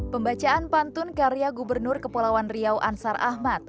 pembacaan pantun karya gubernur kepulauan riau ansar ahmad